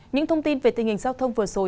những thông tin về tình hình giao thông vừa rồi